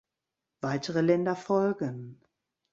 Weitere Länder folgen.